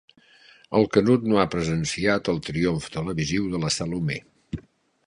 El Canut no ha presenciat el triomf televisiu de la Salomé.